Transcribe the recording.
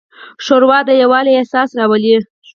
ښوروا د یووالي احساس راولي.